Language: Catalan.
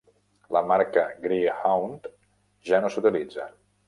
La marca Greyhound ja no s"utilitza.